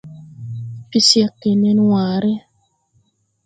Pecèg gè nen waare.